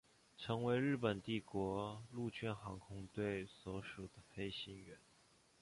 成为日本帝国陆军航空队所属的飞行员。